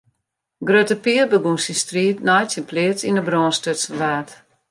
Grutte Pier begûn syn striid nei't syn pleats yn 'e brân stutsen waard.